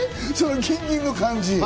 ギンギンの感じ。